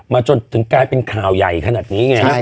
จนถึงกลายเป็นข่าวใหญ่ขนาดนี้ไง